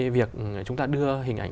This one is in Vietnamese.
việc chúng ta đưa hình ảnh